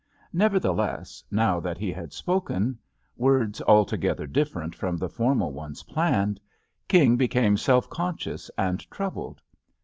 Nevertheless, now that he had spoken — words altogether different from the formal ones planned — King became self conscious and troubled.